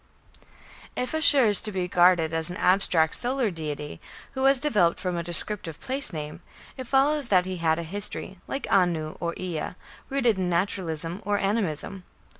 If Ashur is to be regarded as an abstract solar deity, who was developed from a descriptive place name, it follows that he had a history, like Anu or Ea, rooted in Naturalism or Animism.